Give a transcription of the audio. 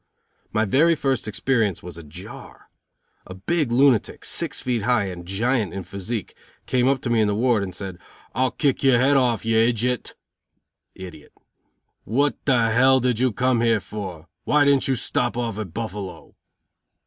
My very first experience was a jar. A big lunatic, six feet high and a giant in physique, came up to me in the ward, and said: "I'll kick your head off, you ijit (idiot). What the did you come here for? Why didn't you stop off at Buffalo?"